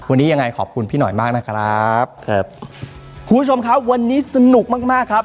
วันนี้ยังไงขอบคุณพี่หน่อยมากนะครับครับคุณผู้ชมครับวันนี้สนุกมากมากครับ